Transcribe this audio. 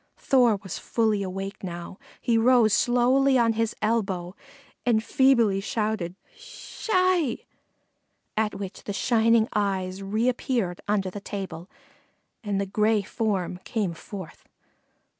Thor was fully awake now; he rose slowly on his elbow and feebly shouted "Sssh hi," at which the shining eyes reappeared under the table and the gray form came forth.